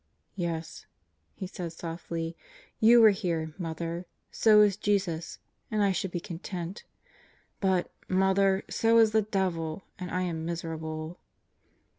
"Yes," he said softly, "you are here, Mother. So is Jesus. And I should be content. But, Mother, so is the devil, and I am miserable."